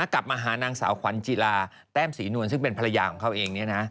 กลับมาหานางสาวขวัญจีลาแต้มศรีนวลซึ่งเป็นภรรยาของเขาเอง